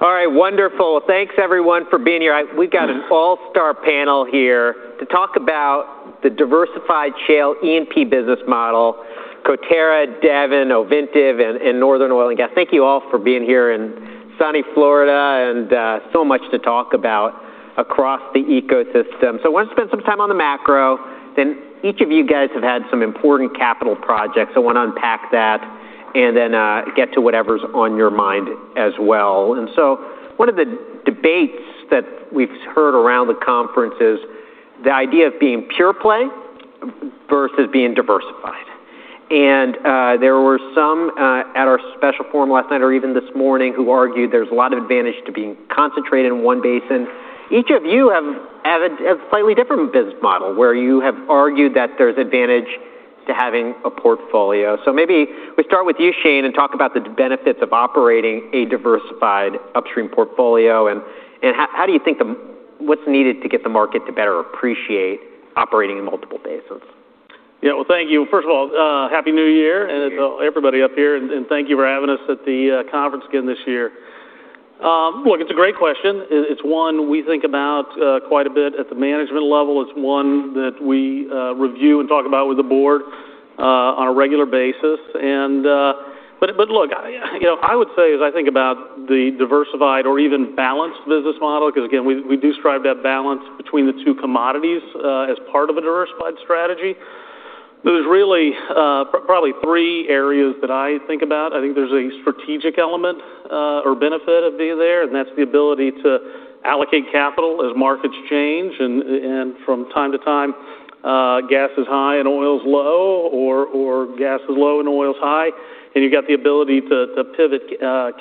All right, wonderful. Thanks, everyone, for being here. We've got an all-star panel here to talk about the diversified shale E&P business model: Coterra, Devon, Ovintiv, and Northern Oil and Gas. Thank you all for being here in sunny Florida, and so much to talk about across the ecosystem. So I wanted to spend some time on the macro. Then each of you guys have had some important capital projects. I want to unpack that and then get to whatever's on your mind as well, and so one of the debates that we've heard around the conference is the idea of being pure play versus being diversified, and there were some at our special forum last night or even this morning who argued there's a lot of advantage to being concentrated in one basin. Each of you have a slightly different business model where you have argued that there's advantage to having a portfolio. So maybe we start with you, Shane, and talk about the benefits of operating a diversified upstream portfolio. And how do you think what's needed to get the market to better appreciate operating in multiple basins? Yeah, well, thank you. First of all, happy New Year, and everybody up here, and thank you for having us at the conference again this year. Look, it's a great question. It's one we think about quite a bit at the management level. It's one that we review and talk about with the board on a regular basis. But look, I would say, as I think about the diversified or even balanced business model, because again, we do strive to have balance between the two commodities as part of a diversified strategy. There's really probably three areas that I think about. I think there's a strategic element or benefit of being there, and that's the ability to allocate capital as markets change. And from time to time, gas is high and oil's low, or gas is low and oil's high, and you've got the ability to pivot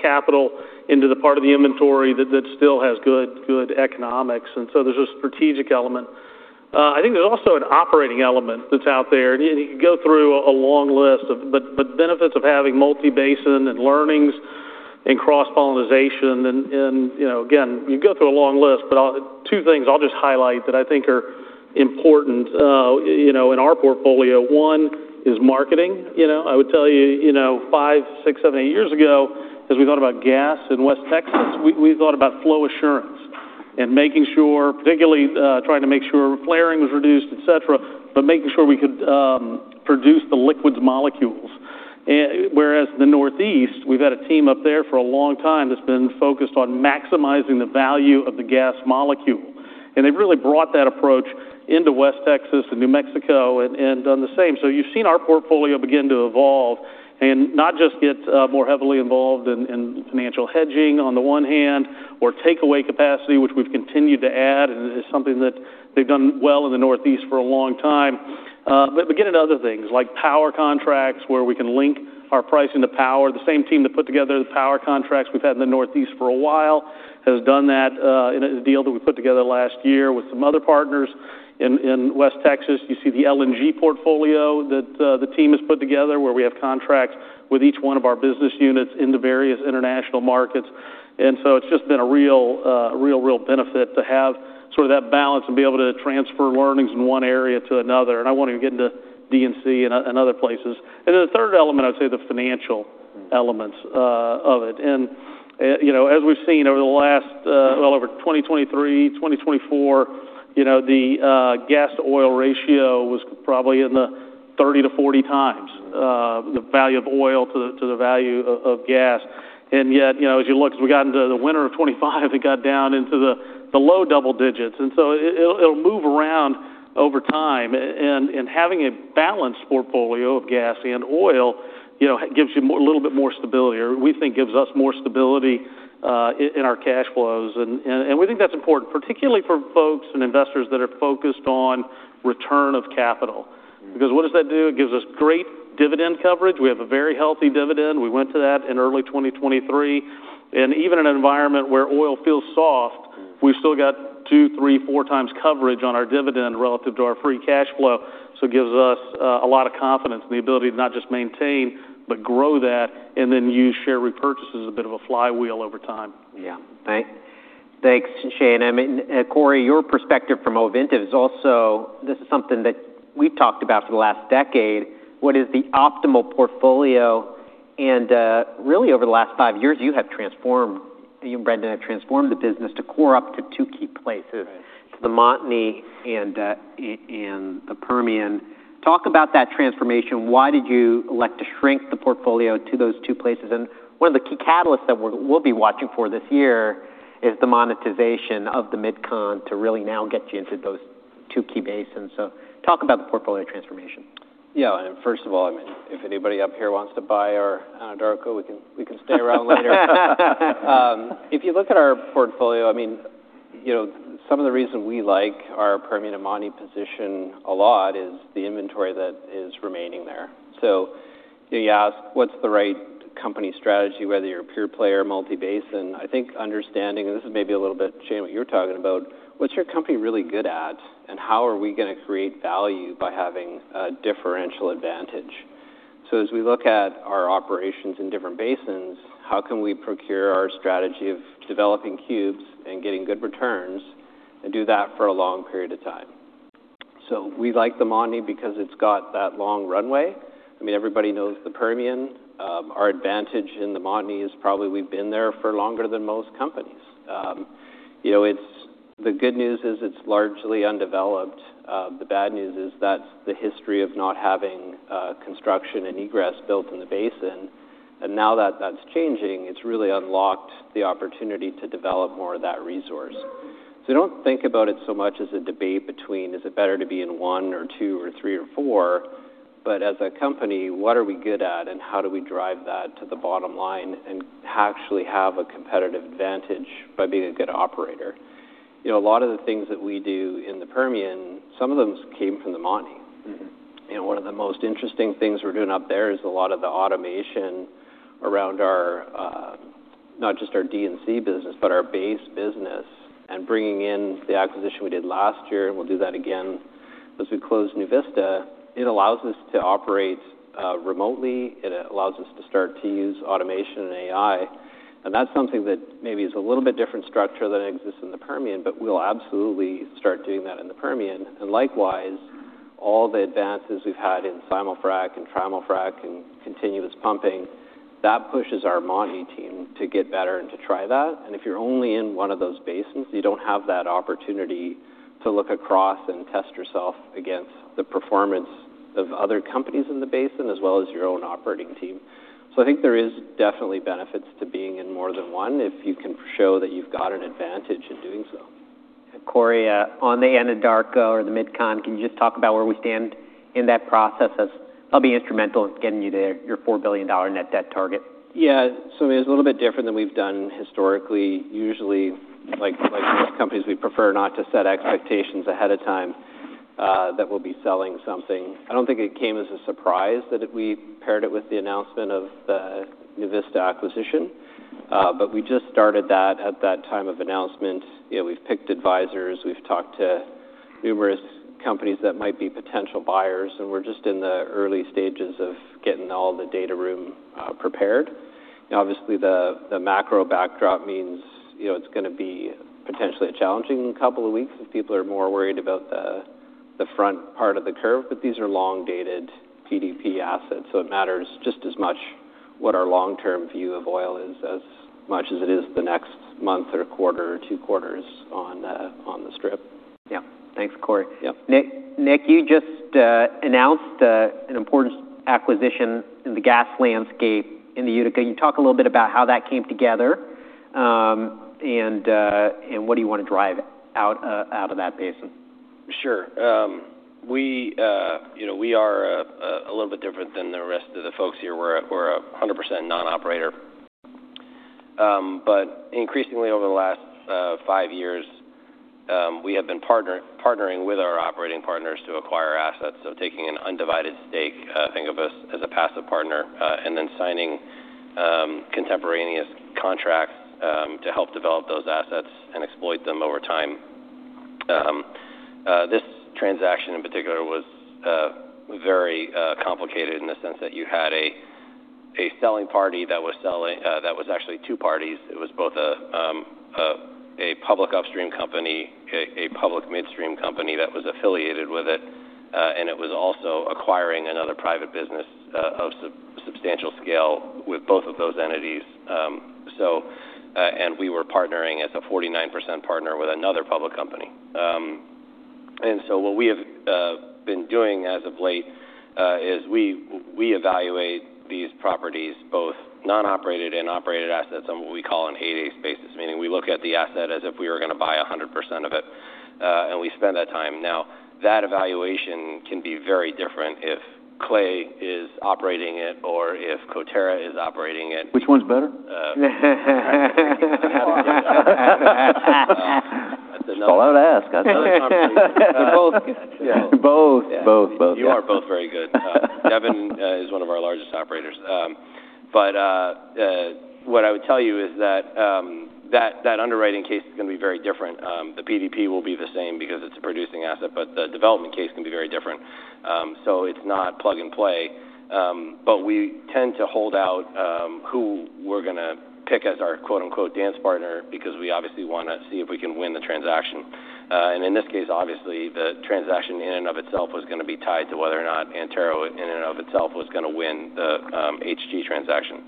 capital into the part of the inventory that still has good economics. And so there's a strategic element. I think there's also an operating element that's out there, and you can go through a long list of benefits of having multibasin and learnings and cross-pollination. And again, you can go through a long list, but two things I'll just highlight that I think are important in our portfolio. One is marketing. I would tell you five, six, seven, eight years ago, as we thought about gas in West Texas, we thought about flow assurance and making sure, particularly trying to make sure flaring was reduced, et cetera, but making sure we could produce the liquids molecules. Whereas in the Northeast, we've had a team up there for a long time that's been focused on maximizing the value of the gas molecule, and they've really brought that approach into West Texas and New Mexico and done the same, so you've seen our portfolio begin to evolve and not just get more heavily involved in financial hedging on the one hand or takeaway capacity, which we've continued to add, and it's something that they've done well in the Northeast for a long time, but get into other things like power contracts where we can link our pricing to power. The same team that put together the power contracts we've had in the Northeast for a while has done that in a deal that we put together last year with some other partners in West Texas. You see the LNG portfolio that the team has put together where we have contracts with each one of our business units in the various international markets. And so it's just been a real, real, real benefit to have sort of that balance and be able to transfer learnings in one area to another. And I want to get into D&C and other places. And then the third element, I'd say the financial elements of it. And as we've seen over the last, well, over 2023, 2024, the gas to oil ratio was probably in the 30-40 times the value of oil to the value of gas. And yet, as you look, as we got into the winter of 2025, it got down into the low double digits. And so it'll move around over time. Having a balanced portfolio of gas and oil gives you a little bit more stability, or we think gives us more stability in our cash flows. We think that's important, particularly for folks and investors that are focused on return of capital. Because what does that do? It gives us great dividend coverage. We have a very healthy dividend. We went to that in early 2023. Even in an environment where oil feels soft, we've still got two, three, four times coverage on our dividend relative to our free cash flow. So it gives us a lot of confidence in the ability to not just maintain, but grow that and then use share repurchase as a bit of a flywheel over time. Yeah. Thanks, Shane. I mean, Corey, your perspective from Ovintiv is also, this is something that we've talked about for the last decade. What is the optimal portfolio? And really, over the last five years, you have transformed, you and Brendan have transformed the business to core up to two key places, to the Montney and the Permian. Talk about that transformation. Why did you elect to shrink the portfolio to those two places? And one of the key catalysts that we'll be watching for this year is the monetization of the Mid-Con to really now get you into those two key basins. So talk about the portfolio transformation. Yeah. And first of all, I mean, if anybody up here wants to buy our Anadarko, we can stay around later. If you look at our portfolio, I mean, some of the reason we like our Permian and Montney position a lot is the inventory that is remaining there. So you ask what's the right company strategy, whether you're a pure play, multibasin. I think understanding, and this is maybe a little bit, Shane, what you're talking about, what's your company really good at and how are we going to create value by having a differential advantage? So as we look at our operations in different basins, how can we pursue our strategy of developing cubes and getting good returns and do that for a long period of time? So we like the Montney because it's got that long runway. I mean, everybody knows the Permian. Our advantage in the Montney is probably we've been there for longer than most companies. The good news is it's largely undeveloped. The bad news is that's the history of not having construction and egress built in the basin. And now that that's changing, it's really unlocked the opportunity to develop more of that resource, so don't think about it so much as a debate between, is it better to be in one or two or three or four, but as a company, what are we good at and how do we drive that to the bottom line and actually have a competitive advantage by being a good operator? A lot of the things that we do in the Permian, some of them came from the Montney. One of the most interesting things we're doing up there is a lot of the automation around not just our D&C business, but our base business and bringing in the acquisition we did last year, and we'll do that again as we close NuVista. It allows us to operate remotely. It allows us to start to use automation and AI. And that's something that maybe is a little bit different structure than it exists in the Permian, but we'll absolutely start doing that in the Permian. And likewise, all the advances we've had in simul-frac and trimul-frac and continuous pumping, that pushes our Montney team to get better and to try that. And if you're only in one of those basins, you don't have that opportunity to look across and test yourself against the performance of other companies in the basin as well as your own operating team. So I think there is definitely benefits to being in more than one if you can show that you've got an advantage in doing so. Corey, on the Anadarko or the mid-con, can you just talk about where we stand in that process? That'll be instrumental in getting you to your $4 billion net debt target. Yeah. So it's a little bit different than we've done historically. Usually, like most companies, we prefer not to set expectations ahead of time that we'll be selling something. I don't think it came as a surprise that we paired it with the announcement of the NuVista acquisition, but we just started that at that time of announcement. We've picked advisors. We've talked to numerous companies that might be potential buyers, and we're just in the early stages of getting all the data room prepared. Obviously, the macro backdrop means it's going to be potentially a challenging couple of weeks as people are more worried about the front part of the curve, but these are long-dated PDP assets. So it matters just as much what our long-term view of oil is as much as it is the next month or quarter or two quarters on the strip. Yeah. Thanks, Corey. Nick, you just announced an important acquisition in the gas landscape in the Utica. Can you talk a little bit about how that came together and what do you want to drive out of that basin? Sure. We are a little bit different than the rest of the folks here. We're a 100% non-operator. But increasingly over the last five years, we have been partnering with our operating partners to acquire assets. So taking an undivided stake, think of us as a passive partner, and then signing contemporaneous contracts to help develop those assets and exploit them over time. This transaction in particular was very complicated in the sense that you had a selling party that was actually two parties. It was both a public upstream company, a public midstream company that was affiliated with it, and it was also acquiring another private business of substantial scale with both of those entities. And we were partnering as a 49% partner with another public company. What we have been doing as of late is we evaluate these properties, both non-operated and operated assets, on what we call an 80/80 basis, meaning we look at the asset as if we were going to buy 100% of it, and we spend that time. Now, that evaluation can be very different if Clay is operating it or if Coterra is operating it. Which one's better? That's another one. That's what I would ask. I thought it was one of these. Both. Both. Both. You are both very good. Devon is one of our largest operators. But what I would tell you is that that underwriting case is going to be very different. The PDP will be the same because it's a producing asset, but the development case can be very different. So it's not plug and play. But we tend to hold out who we're going to pick as our quote-unquote dance partner because we obviously want to see if we can win the transaction. And in this case, obviously, the transaction in and of itself was going to be tied to whether or not Antero in and of itself was going to win the HG transaction.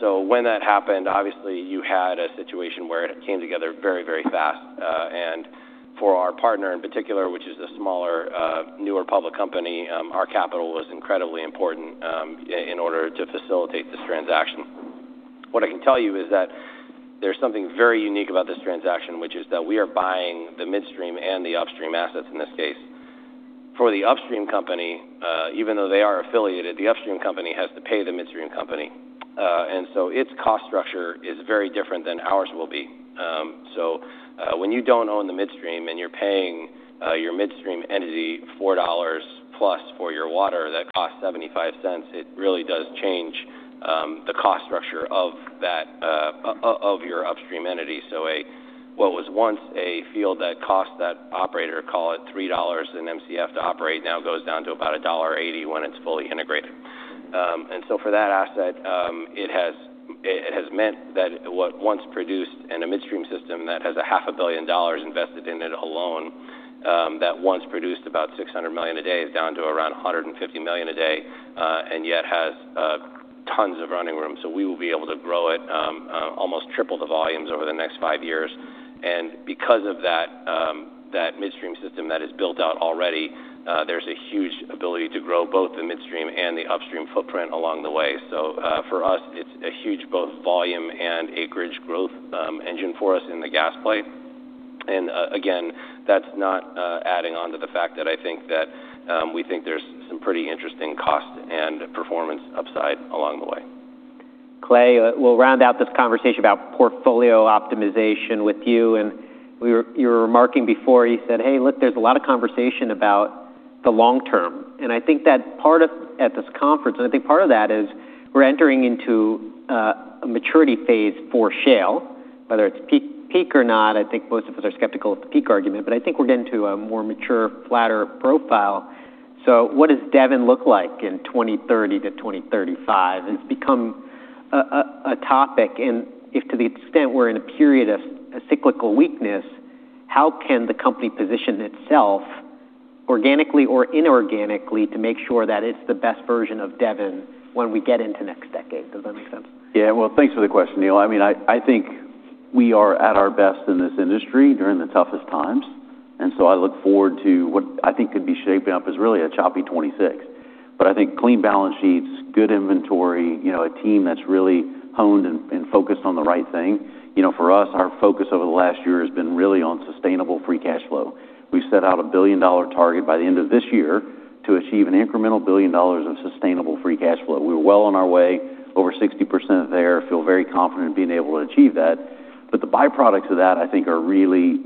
So when that happened, obviously, you had a situation where it came together very, very fast. And for our partner in particular, which is a smaller, newer public company, our capital was incredibly important in order to facilitate this transaction. What I can tell you is that there's something very unique about this transaction, which is that we are buying the midstream and the upstream assets in this case. For the upstream company, even though they are affiliated, the upstream company has to pay the midstream company. And so its cost structure is very different than ours will be. So when you don't own the midstream and you're paying your midstream entity $4 plus for your water that costs $0.75, it really does change the cost structure of your upstream entity. So what was once a field that cost that operator, call it $3 in MCF to operate, now goes down to about $1.80 when it's fully integrated. And so for that asset, it has meant that what once produced in a midstream system that has $500 million invested in it alone, that once produced about 600 million a day is down to around 150 million a day and yet has tons of running room. So we will be able to grow it almost triple the volumes over the next five years. And because of that midstream system that is built out already, there's a huge ability to grow both the midstream and the upstream footprint along the way. So for us, it's a huge both volume and free cash flow growth engine for us in the gas play. And again, that's not adding on to the fact that I think that we think there's some pretty interesting cost and performance upside along the way. Clay, we'll round out this conversation about portfolio optimization with you. And you were remarking before, you said, "Hey, look, there's a lot of conversation about the long term." And I think that part of at this conference, and I think part of that is we're entering into a maturity phase for shale, whether it's peak or not. I think most of us are skeptical of the peak argument, but I think we're getting to a more mature, flatter profile. So what does Devon look like in 2030 to 2035? It's become a topic. And if to the extent we're in a period of cyclical weakness, how can the company position itself organically or inorganically to make sure that it's the best version of Devon when we get into next decade? Does that make sense? Yeah. Well, thanks for the question, Neil. I mean, I think we are at our best in this industry during the toughest times. And so I look forward to what I think could be shaping up as really a choppy 2026. But I think clean balance sheets, good inventory, a team that's really honed and focused on the right thing. For us, our focus over the last year has been really on sustainable free cash flow. We've set out a $1 billion target by the end of this year to achieve an incremental $1 billion of sustainable free cash flow. We were well on our way, over 60% there, feel very confident in being able to achieve that. But the byproducts of that, I think, are really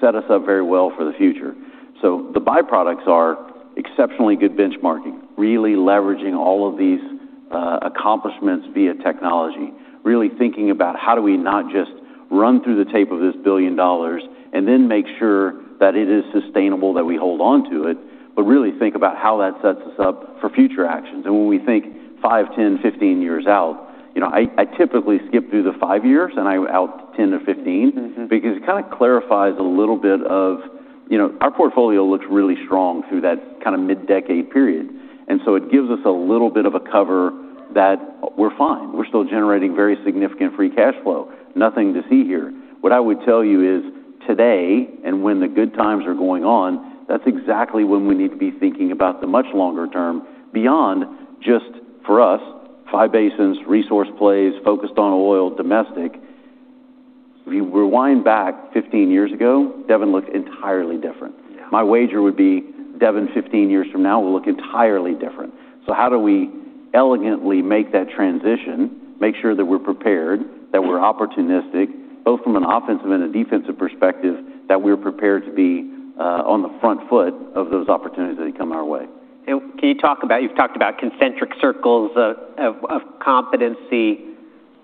set us up very well for the future. The byproducts are exceptionally good benchmarking, really leveraging all of these accomplishments via technology, really thinking about how do we not just run through the tape of this $1 billion and then make sure that it is sustainable that we hold on to it, but really think about how that sets us up for future actions. When we think five, 10, 15 years out, I typically skip through the five years and I'm out 10 to 15 because it kind of clarifies a little bit of our portfolio looks really strong through that kind of mid-decade period. It gives us a little bit of a cover that we're fine. We're still generating very significant free cash flow. Nothing to see here. What I would tell you is, today and when the good times are going on, that's exactly when we need to be thinking about the much longer term beyond just for us, five basins, resource plays, focused on oil, domestic. If you rewind back 15 years ago, Devon looked entirely different. My wager would be Devon 15 years from now will look entirely different. So how do we elegantly make that transition, make sure that we're prepared, that we're opportunistic, both from an offensive and a defensive perspective, that we're prepared to be on the front foot of those opportunities that come our way? Can you talk about? You've talked about concentric circles of competency.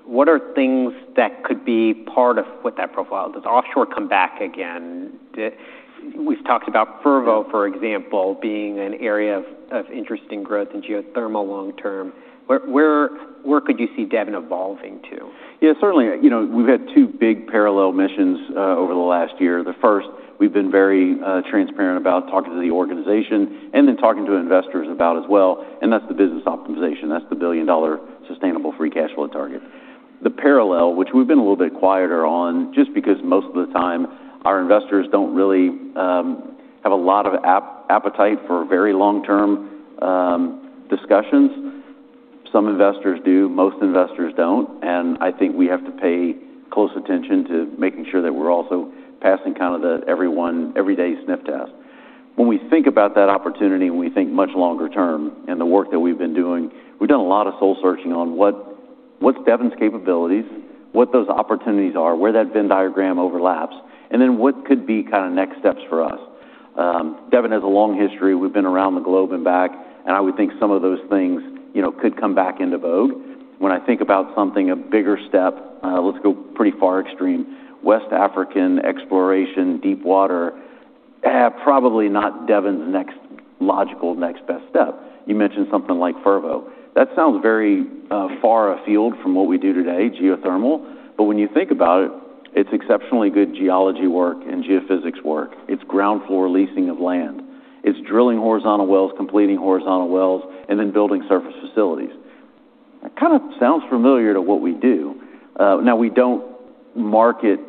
What are things that could be part of what that profile does? Offshore coming back again. We've talked about Fervo, for example, being an area of interesting growth in geothermal long-term. Where could you see Devon evolving to? Yeah, certainly. We've had two big parallel missions over the last year. The first, we've been very transparent about talking to the organization and then talking to investors about as well, and that's the business optimization. That's the $1 billion sustainable free cash flow target. The parallel, which we've been a little bit quieter on just because most of the time our investors don't really have a lot of appetite for very long-term discussions. Some investors do, most investors don't, and I think we have to pay close attention to making sure that we're also passing kind of the everyone everyday sniff test. When we think about that opportunity, when we think much longer term and the work that we've been doing, we've done a lot of soul searching on what's Devon's capabilities, what those opportunities are, where that Venn diagram overlaps, and then what could be kind of next steps for us. Devon has a long history. We've been around the globe and back, and I would think some of those things could come back into vogue. When I think about something, a bigger step, let's go pretty far extreme, West African exploration, deep water, probably not Devon's next logical next best step. You mentioned something like Fervo. That sounds very far afield from what we do today, geothermal. But when you think about it, it's exceptionally good geology work and geophysics work. It's ground floor leasing of land. It's drilling horizontal wells, completing horizontal wells, and then building surface facilities. That kind of sounds familiar to what we do. Now, we don't market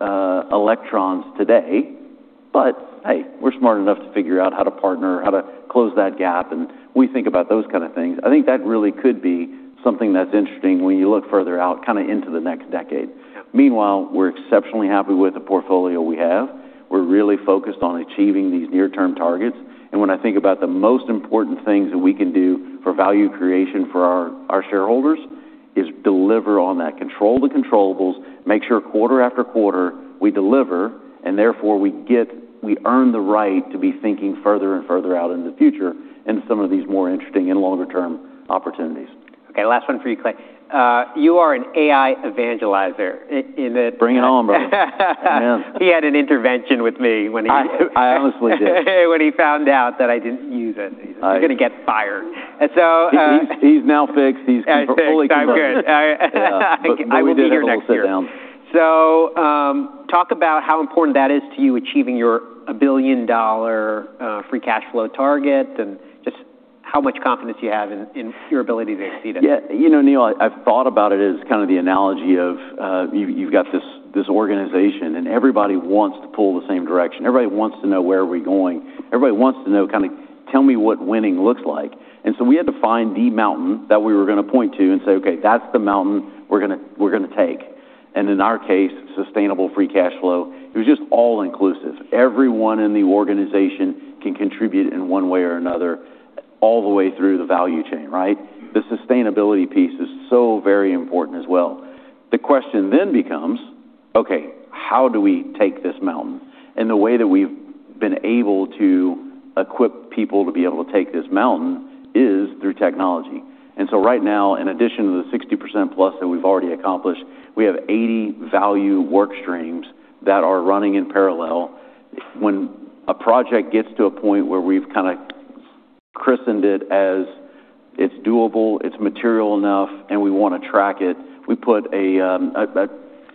electrons today, but hey, we're smart enough to figure out how to partner, how to close that gap, and we think about those kinds of things. I think that really could be something that's interesting when you look further out kind of into the next decade. Meanwhile, we're exceptionally happy with the portfolio we have. We're really focused on achieving these near-term targets, and when I think about the most important things that we can do for value creation for our shareholders is deliver on that, control the controllable, make sure quarter after quarter we deliver, and therefore we earn the right to be thinking further and further out in the future in some of these more interesting and longer-term opportunities. Okay. Last one for you, Clay. You are an AI evangelizer. Bring it on, bro. He had an intervention with me when he. I honestly did. When he found out that I didn't use it. He's going to get fired. He's now fixed. He's fully converted. I will be here next week. So talk about how important that is to you, achieving your $1 billion free cash flow target and just how much confidence you have in your ability to exceed it? Yeah. You know, Neil, I've thought about it as kind of the analogy of you've got this organization and everybody wants to pull the same direction. Everybody wants to know where we're going. Everybody wants to know kind of tell me what winning looks like. And so we had to find the mountain that we were going to point to and say, "Okay, that's the mountain we're going to take." And in our case, sustainable free cash flow, it was just all-inclusive. Everyone in the organization can contribute in one way or another all the way through the value chain, right? The sustainability piece is so very important as well. The question then becomes, "Okay, how do we take this mountain?", and the way that we've been able to equip people to be able to take this mountain is through technology. And so right now, in addition to the 60% plus that we've already accomplished, we have 80 value workstreams that are running in parallel. When a project gets to a point where we've kind of christened it as it's doable, it's material enough, and we want to track it, we put a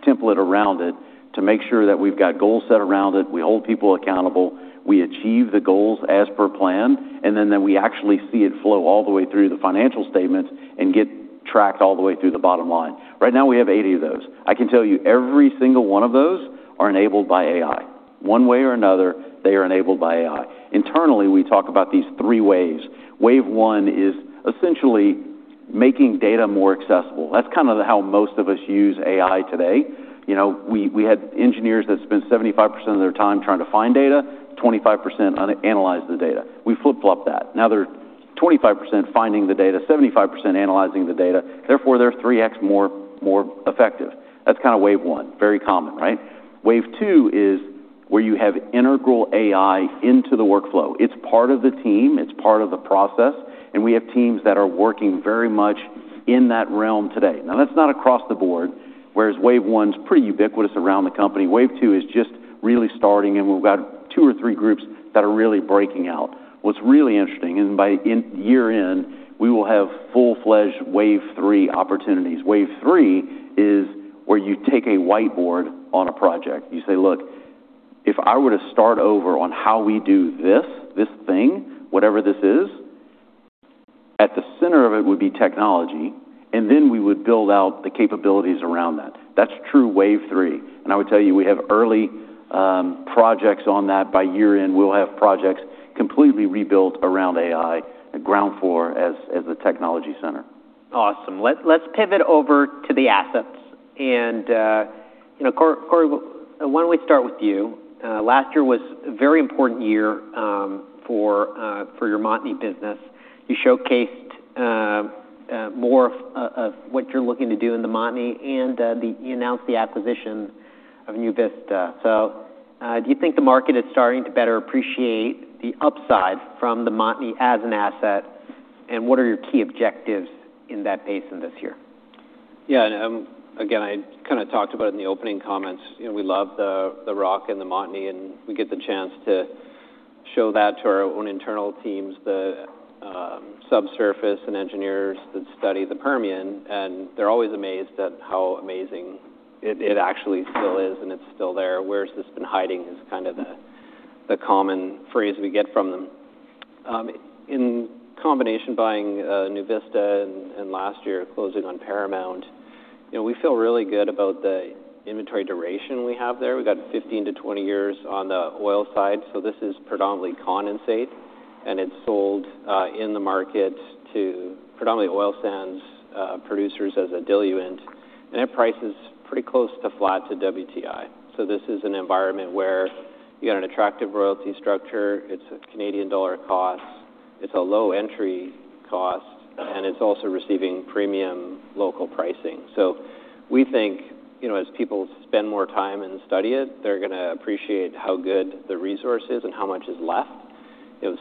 template around it to make sure that we've got goals set around it. We hold people accountable. We achieve the goals as per plan, and then we actually see it flow all the way through the financial statements and get tracked all the way through the bottom line. Right now, we have 80 of those. I can tell you every single one of those are enabled by AI. One way or another, they are enabled by AI. Internally, we talk about these three waves. Wave one is essentially making data more accessible. That's kind of how most of us use AI today. We had engineers that spent 75% of their time trying to find data, 25% analyze the data. We flip-flopped that. Now they're 25% finding the data, 75% analyzing the data. Therefore, they're 3x more effective. That's kind of wave one. Very common, right? Wave two is where you have integrate AI into the workflow. It's part of the team. It's part of the process. And we have teams that are working very much in that realm today. Now, that's not across the board, whereas wave one is pretty ubiquitous around the company. Wave two is just really starting, and we've got two or three groups that are really breaking out. What's really interesting, and by year end, we will have full-fledged wave three opportunities. Wave three is where you take a whiteboard on a project. You say, "Look, if I were to start over on how we do this, this thing, whatever this is, at the center of it would be technology, and then we would build out the capabilities around that." That's true wave three. And I would tell you we have early projects on that. By year end, we'll have projects completely rebuilt around AI, ground floor as the technology center. Awesome. Let's pivot over to the assets. And Corey, why don't we start with you? Last year was a very important year for your Montney business. You showcased more of what you're looking to do in the Montney, and you announced the acquisition of NuVista. So do you think the market is starting to better appreciate the upside from the Montney as an asset, and what are your key objectives in that place in this year? Yeah. Again, I kind of talked about it in the opening comments. We love the rock and the Montney, and we get the chance to show that to our own internal teams, the subsurface and engineers that study the Permian. And they're always amazed at how amazing it actually still is and it's still there. "Where's this been hiding?" is kind of the common phrase we get from them. In combination, buying NuVista and last year closing on Paramount, we feel really good about the inventory duration we have there. We got 15-20 years on the oil side. So this is predominantly condensate, and it's sold in the market to predominantly oil sands producers as a diluent. And that price is pretty close to flat to WTI. So this is an environment where you got an attractive royalty structure. It's a Canadian dollar cost. It's a low entry cost, and it's also receiving premium local pricing. So we think as people spend more time and study it, they're going to appreciate how good the resource is and how much is left.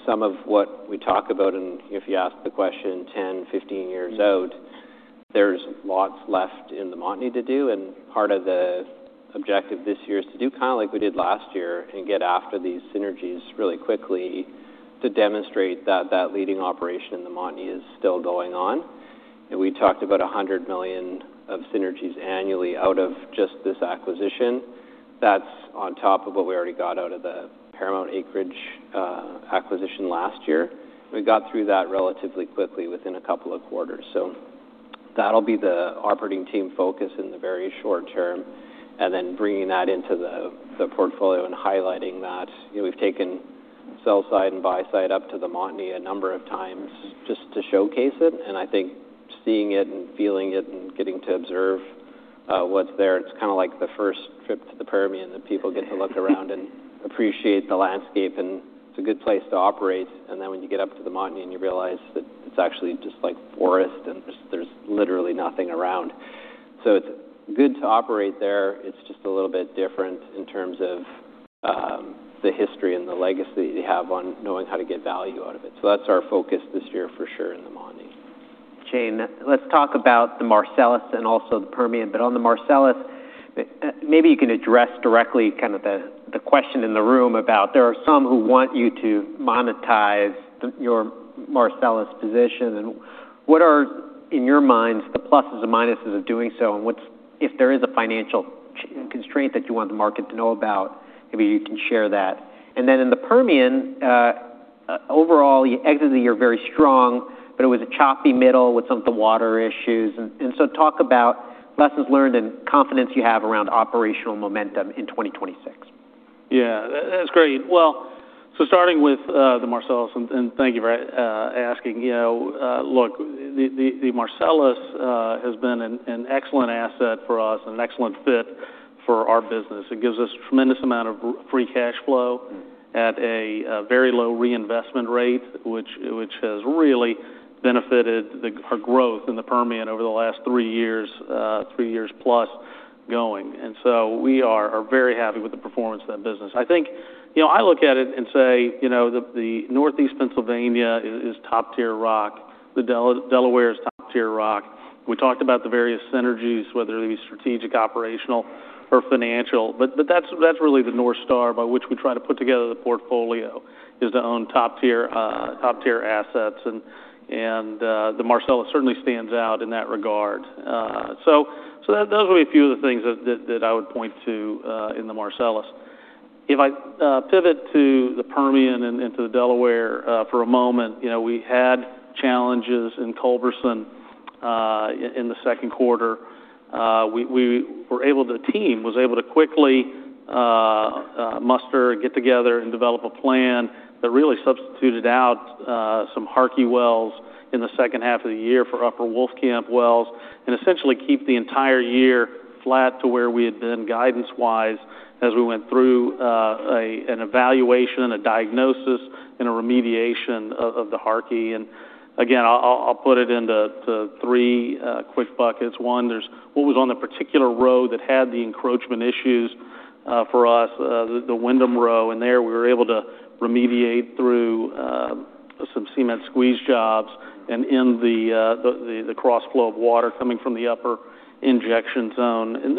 Some of what we talk about, and if you ask the question 10, 15 years out, there's lots left in the Montney to do. And part of the objective this year is to do kind of like we did last year and get after these synergies really quickly to demonstrate that that leading operation in the Montney is still going on. And we talked about $100 million of synergies annually out of just this acquisition. That's on top of what we already got out of the Paramount acreage acquisition last year. We got through that relatively quickly within a couple of quarters. So that'll be the operating team focus in the very short term, and then bringing that into the portfolio and highlighting that. We've taken sell-side and buy-side up to the Montney a number of times just to showcase it, and I think seeing it and feeling it and getting to observe what's there, it's kind of like the first trip to the Permian that people get to look around and appreciate the landscape, and it's a good place to operate, and then when you get up to the Montney, you realize that it's actually just like forest and there's literally nothing around, so it's good to operate there. It's just a little bit different in terms of the history and the legacy you have on knowing how to get value out of it, so that's our focus this year for sure in the Montney. Jane, let's talk about the Marcellus and also the Permian. But on the Marcellus, maybe you can address directly kind of the question in the room about there are some who want you to monetize your Marcellus position. And what are, in your mind, the pluses and minuses of doing so? And if there is a financial constraint that you want the market to know about, maybe you can share that. And then in the Permian, overall, you exited the year very strong, but it was a choppy middle with some of the water issues. And so talk about lessons learned and confidence you have around operational momentum in 2026. Yeah, that's great. Starting with the Marcellus, and thank you for asking. Look, the Marcellus has been an excellent asset for us and an excellent fit for our business. It gives us a tremendous amount of free cash flow at a very low reinvestment rate, which has really benefited our growth in the Permian over the last three years plus going. We are very happy with the performance of that business. I think I look at it and say the Northeast Pennsylvania is top-tier rock. The Delaware is top-tier rock. We talked about the various synergies, whether they be strategic, operational, or financial. That's really the North Star by which we try to put together the portfolio is to own top-tier assets. The Marcellus certainly stands out in that regard. So those would be a few of the things that I would point to in the Marcellus. If I pivot to the Permian and to the Delaware for a moment, we had challenges in Culberson in the second quarter. The team was able to quickly muster and get together and develop a plan that really substituted out some Harkey wells in the second half of the year for Upper Wolfcamp wells and essentially keep the entire year flat to where we had been guidance-wise as we went through an evaluation, a diagnosis, and a remediation of the Harkey. And again, I'll put it into three quick buckets. One, there's what was on the particular row that had the encroachment issues for us, the Windham Row. And there we were able to remediate through some cement squeeze jobs and end the crossflow of water coming from the upper injection zone.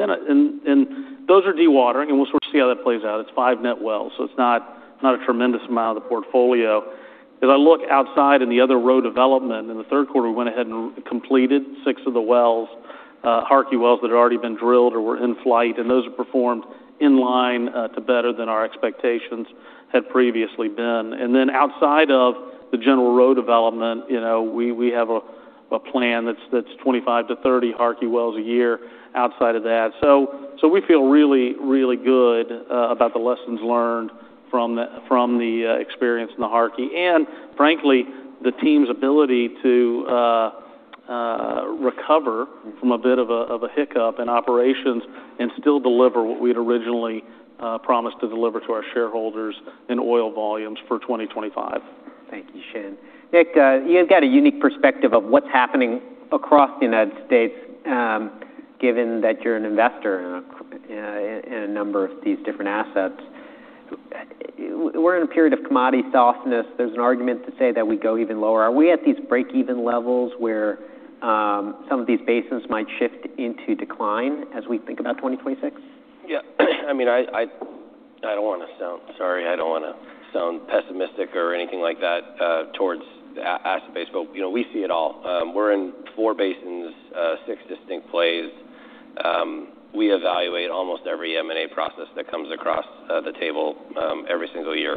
Those are dewatering. We'll sort of see how that plays out. It's five net wells. So it's not a tremendous amount of the portfolio. As I look outside in the other row development, in the third quarter, we went ahead and completed six of the wells, Harkey wells that had already been drilled or were in flight. Those were performed in line to better than our expectations had previously been. Then outside of the general row development, we have a plan that's 25-30 Harkey wells a year outside of that. So we feel really, really good about the lessons learned from the experience in the Harkey. Frankly, the team's ability to recover from a bit of a hiccup in operations and still deliver what we'd originally promised to deliver to our shareholders in oil volumes for 2025. Thank you, Shane. Nick, you've got a unique perspective of what's happening across the United States given that you're an investor in a number of these different assets. We're in a period of commodity softness. There's an argument to say that we go even lower. Are we at these break-even levels where some of these basins might shift into decline as we think about 2026? Yeah. I mean, I don't want to sound sorry. I don't want to sound pessimistic or anything like that towards the asset base, but we see it all. We're in four basins, six distinct plays. We evaluate almost every M&A process that comes across the table every single year.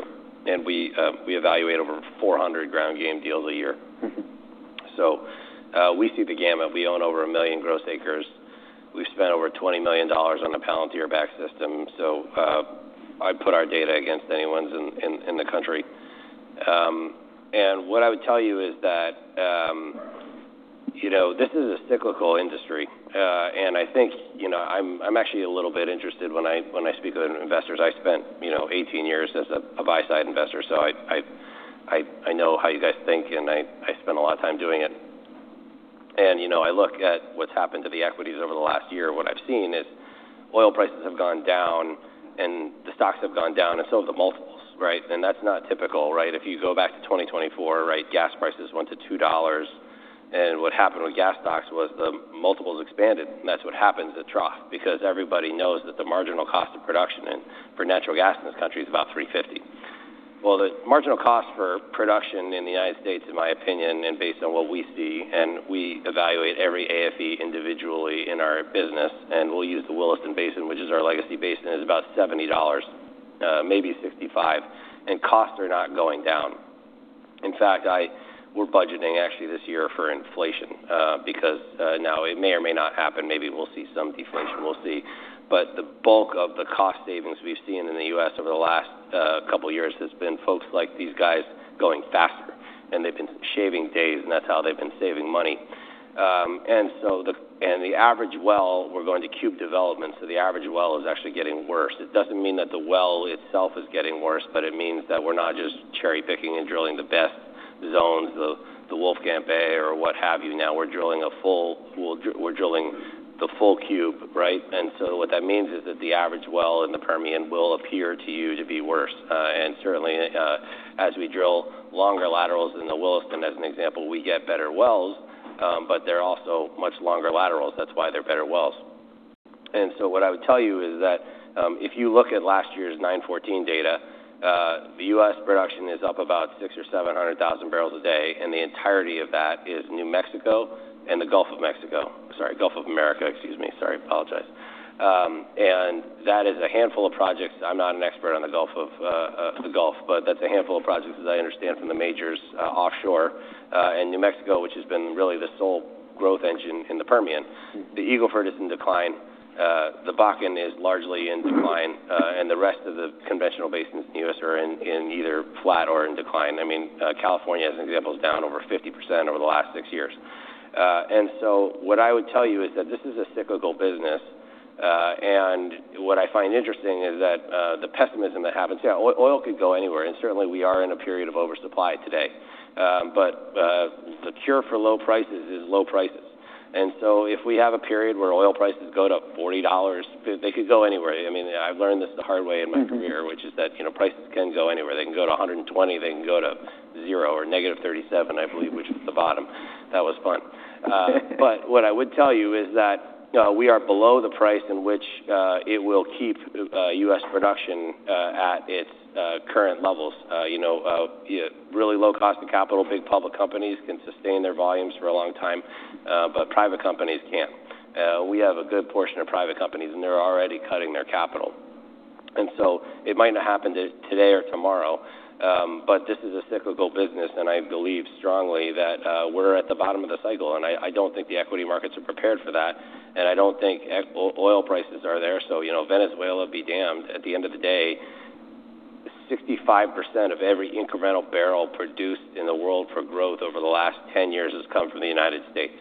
We evaluate over 400 ground game deals a year. So we see the gamut. We own over a million gross acres. We've spent over $20 million on a Palantir-based system. So I put our data against anyone's in the country. What I would tell you is that this is a cyclical industry. I think I'm actually a little bit interested when I speak with investors. I spent 18 years as a buy-side investor, so I know how you guys think, and I spent a lot of time doing it. I look at what's happened to the equities over the last year. What I've seen is oil prices have gone down, and the stocks have gone down, and so have the multiples, right? That's not typical, right? If you go back to 2024, right, gas prices went to $2. What happened with gas stocks was the multiples expanded. That's what happens at trough because everybody knows that the marginal cost of production for natural gas in this country is about $3.50. The marginal cost for production in the United States, in my opinion, and based on what we see, and we evaluate every AFE individually in our business, and we'll use the Williston Basin, which is our legacy basin, is about $70, maybe $65. Costs are not going down. In fact, we're budgeting actually this year for inflation because now it may or may not happen. Maybe we'll see some deflation. We'll see. But the bulk of the cost savings we've seen in the U.S. over the last couple of years has been folks like these guys going faster. And they've been shaving days, and that's how they've been saving money. And the average well, we're going to Cube Development, so the average well is actually getting worse. It doesn't mean that the well itself is getting worse, but it means that we're not just cherry-picking and drilling the best zones, the Wolfcamp A or what have you. Now we're drilling a full, we're drilling the full cube, right? And so what that means is that the average well in the Permian will appear to you to be worse. Certainly, as we drill longer laterals in the Williston, as an example, we get better wells, but they're also much longer laterals. That's why they're better wells. What I would tell you is that if you look at last year's 914 data, the US production is up about 600,000 or 700,000 barrels a day. The entirety of that is New Mexico and the Gulf of Mexico, sorry, Gulf of America, excuse me. Sorry, apologize. That is a handful of projects. I'm not an expert on the Gulf of Mexico, but that's a handful of projects as I understand from the majors offshore. New Mexico, which has been really the sole growth engine in the Permian, the Eagle Ford decline. The Bakken is largely in decline. The rest of the conventional basins in the US are in either flat or in decline. I mean, California, as an example, is down over 50% over the last six years. And so what I would tell you is that this is a cyclical business. And what I find interesting is that the pessimism that happens, yeah, oil could go anywhere. And certainly, we are in a period of oversupply today. But the cure for low prices is low prices. And so if we have a period where oil prices go to $40, they could go anywhere. I mean, I've learned this the hard way in my career, which is that prices can go anywhere. They can go to $120. They can go to $0 or negative $37, I believe, which was the bottom. That was fun. But what I would tell you is that we are below the price in which it will keep U.S. production at its current levels. Really low cost of capital, big public companies can sustain their volumes for a long time, but private companies can't. We have a good portion of private companies, and they're already cutting their capital, and so it might not happen today or tomorrow, but this is a cyclical business. And I believe strongly that we're at the bottom of the cycle. And I don't think the equity markets are prepared for that. And I don't think oil prices are there. So Venezuela, be damned, at the end of the day, 65% of every incremental barrel produced in the world for growth over the last 10 years has come from the United States.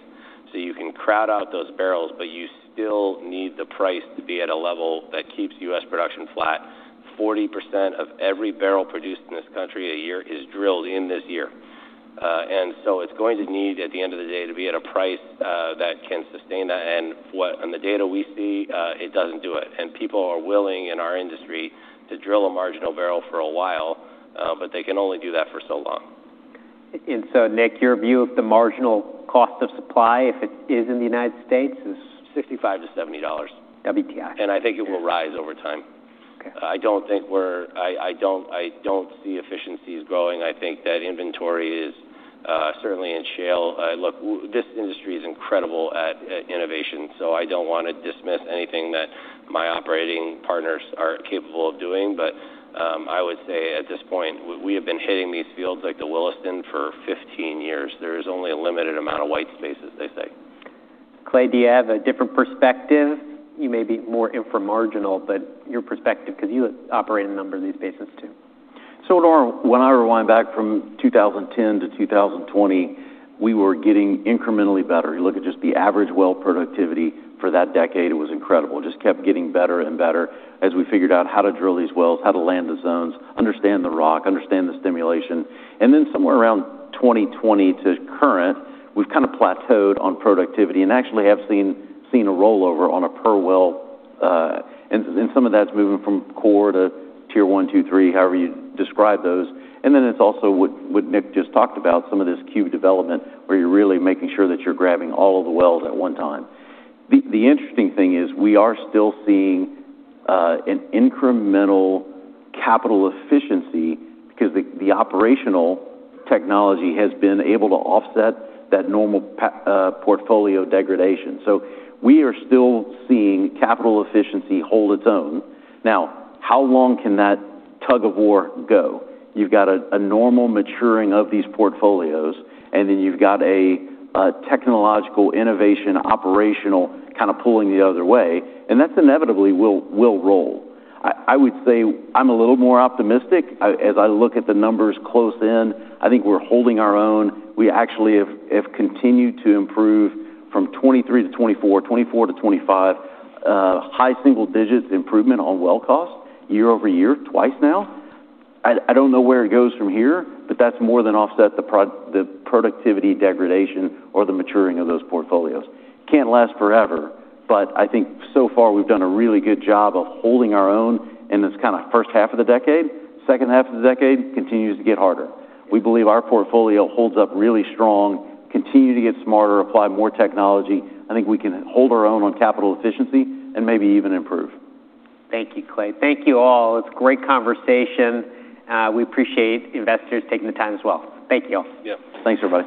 So you can crowd out those barrels, but you still need the price to be at a level that keeps U.S. production flat. 40% of every barrel produced in this country a year is drilled in this year. And so it's going to need, at the end of the day, to be at a price that can sustain that. And on the data we see, it doesn't do it. And people are willing in our industry to drill a marginal barrel for a while, but they can only do that for so long. Nick, your view of the marginal cost of supply, if it is in the United States, is? $65-$70. WTI. I think it will rise over time. I don't see efficiencies growing. I think that inventory is certainly in shale. Look, this industry is incredible at innovation. So I don't want to dismiss anything that my operating partners are capable of doing. But I would say at this point, we have been hitting these fields like the Williston for 15 years. There is only a limited amount of white space, as they say. Clay, do you have a different perspective? You may be more inframarginal, but your perspective, because you operate a number of these basins too. When I rewind back from 2010 to 2020, we were getting incrementally better. You look at just the average well productivity for that decade, it was incredible. It just kept getting better and better as we figured out how to drill these wells, how to land the zones, understand the rock, understand the stimulation. And then somewhere around 2020 to current, we've kind of plateaued on productivity and actually have seen a rollover on a per well. And some of that's moving from core to tier one, two, three, however you describe those. And then it's also what Nick just talked about, some of this cube development where you're really making sure that you're grabbing all of the wells at one time. The interesting thing is we are still seeing an incremental capital efficiency because the operational technology has been able to offset that normal portfolio degradation. So we are still seeing capital efficiency hold its own. Now, how long can that tug of war go? You've got a normal maturing of these portfolios, and then you've got a technological innovation operational kind of pulling the other way. And that's inevitably will roll. I would say I'm a little more optimistic as I look at the numbers close in. I think we're holding our own. We actually have continued to improve from 2023 to 2024, 2024 to 2025, high single digits improvement on well cost year over year, twice now. I don't know where it goes from here, but that's more than offset the productivity degradation or the maturing of those portfolios. Can't last forever, but I think so far we've done a really good job of holding our own in this kind of first half of the decade. Second half of the decade continues to get harder. We believe our portfolio holds up really strong, continue to get smarter, apply more technology. I think we can hold our own on capital efficiency and maybe even improve. Thank you, Clay. Thank you all. It's a great conversation. We appreciate investors taking the time as well. Thank you. Yeah. Thanks for coming.